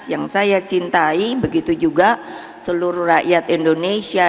yang saya cintai begitu juga seluruh rakyat indonesia